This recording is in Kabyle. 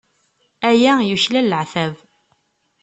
Aya yuklal leɛtab.